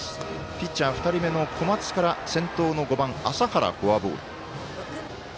ピッチャー２人目の小松から先頭の５番、麻原、フォアボール。